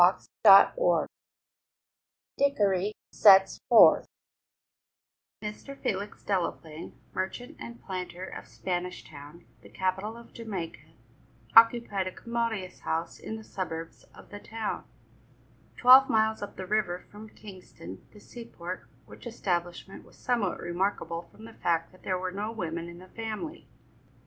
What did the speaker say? CHAPTER IX DICKORY SETS FORTH Mr. Felix Delaplaine, merchant and planter of Spanish Town, the capital of Jamaica, occupied a commodious house in the suburbs of the town, twelve miles up the river from Kingston, the seaport, which establishment was somewhat remarkable from the fact that there were no women in the family.